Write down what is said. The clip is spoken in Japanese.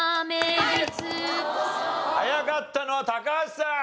早かったのは高橋さん。